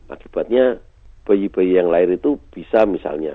akibatnya bayi bayi yang lahir itu bisa misalnya